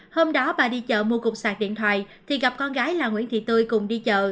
hôm đó bà đi chợ mua cục sạc điện thoại thì gặp con gái là nguyễn thị tươi cùng đi chợ